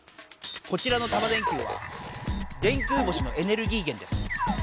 こちらのタマ電Ｑは電空星のエネルギーげんです。